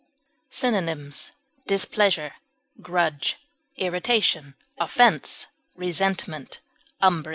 Synonyms: displeasure, irritation, offense, resentment, umbrage.